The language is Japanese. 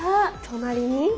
隣に。